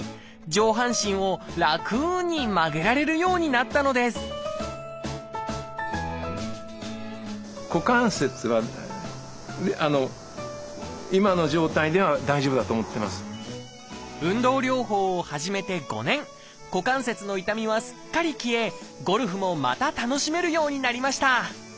上半身を楽に曲げられるようになったのです股関節の痛みはすっかり消えゴルフもまた楽しめるようになりました。